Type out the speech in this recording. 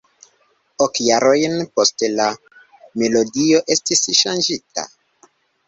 Ok jarojn poste la melodio estis ŝanĝita.